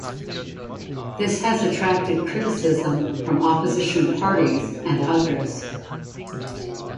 This has attracted criticism from opposition parties and others.